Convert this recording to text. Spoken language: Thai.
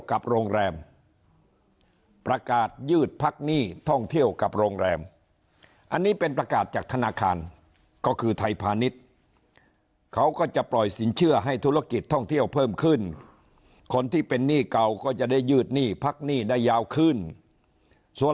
กับโรงแรมอันนี้เป็นประกาศจากธนาคารก็คือไทยพาณิชย์เขาก็จะปล่อยสินเชื่อให้ธุรกิจท่องเที่ยวเพิ่มขึ้นคนที่เป็นหนี้เก่าก็จะได้ยืดหนี้พักหนี้ได้ยาวขึ้นส่วน